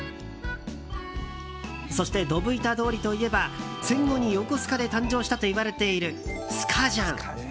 そして、ドブ板通りといえば戦後に横須賀で誕生したといわれているスカジャン。